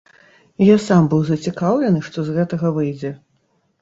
Я сам быў зацікаўлены, што з гэтага выйдзе.